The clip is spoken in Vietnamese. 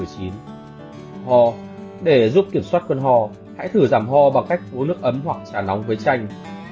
ho để giúp kiểm soát cơn ho hãy thử giảm ho bằng cách uống nước ấm hoặc trà nóng với chanh